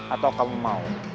atau kamu mau losing